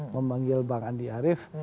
memanggil bang andi arief